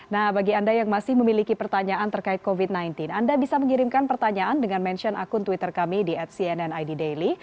nah bagi anda yang masih memiliki pertanyaan terkait covid sembilan belas anda bisa mengirimkan pertanyaan dengan mention akun twitter kami di at cnn id daily